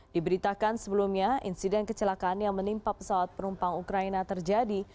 diberitakan sebelumnya insiden kecelakaan yang menimpa pesawat penumpang ukraina terjadi